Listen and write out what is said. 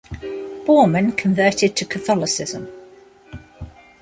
Bormann converted to Catholicism.